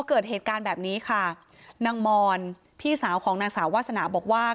เกิดเหตุการณ์แบบนี้ค่ะนางมอนพี่สาวของนางสาววาสนาบอกว่า